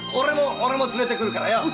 俺も連れてくるからよ。